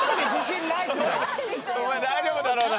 大丈夫だろうな？